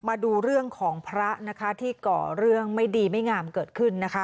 มาดูเรื่องของพระนะคะที่ก่อเรื่องไม่ดีไม่งามเกิดขึ้นนะคะ